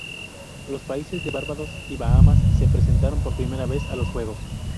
Los países de Barbados y Bahamas se presentaron por primera a los Juegos.